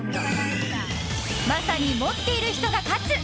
まさに、持っている人が勝つ